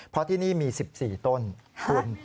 เพราะที่นี่มี๑๔ต้นคุณ